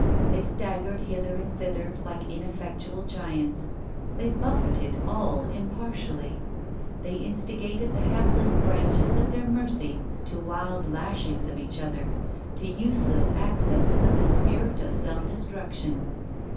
They staggered hither and thither like ineffectual giants ; they buffeted all impartially; they instigated the hapless branches at their mercy to wild lashings of each other, to useless accesses of the spirit of self destruction.